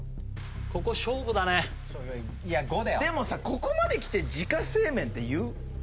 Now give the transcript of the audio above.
ここ勝負だねいや５だよでもさここまできて「自家製麺」っていう？